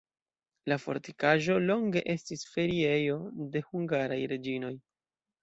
La fortikaĵo longe estis feriejo de hungaraj reĝinoj.